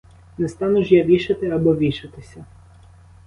Не стану ж я вішати або вішатися!